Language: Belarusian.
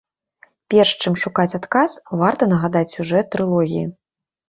Перш, чым шукаць адказ, варта нагадаць сюжэт трылогіі.